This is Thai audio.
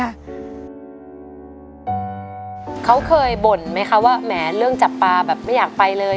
เขาเคยบ่นไหมคะว่าแหมเรื่องจับปลาแบบไม่อยากไปเลย